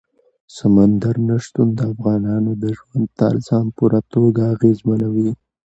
سمندر نه شتون د افغانانو د ژوند طرز هم په پوره توګه اغېزمنوي.